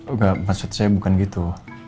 enggak maksud saya bukan gitu